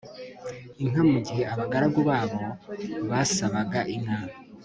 inka mu gihe abagaragu babo basabaga inka